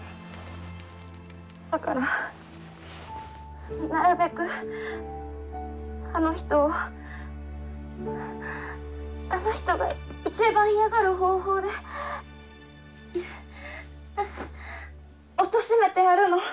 だからなるべくあの人をあの人がいちばん嫌がる方法でんっうっおとしめてやるの。